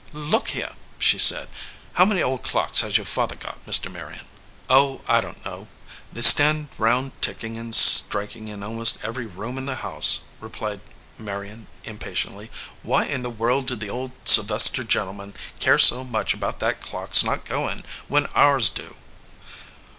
"Look here," she said, "how many old clocks has your father got, Mr. Marion?" "Oh, I don t know. They stand round ticking and striking in almost every room in the house," replied Marion, impatiently. "Why in the world do the old Sylvester gentlemen care so much about that clock s not going, when ours do?"